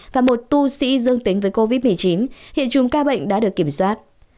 và một tu sĩ dương tính với covid một mươi chín hiện chùm ca bệnh đã được kiểm soát